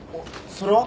それは？